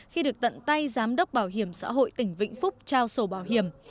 khi được tận tay giám đốc bảo hiểm xã hội tỉnh vĩnh phúc trao sổ bảo hiểm